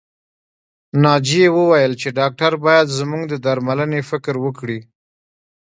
ناجيې وويل چې ډاکټر بايد زموږ د درملنې فکر وکړي